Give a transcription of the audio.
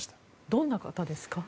どんな方ですか？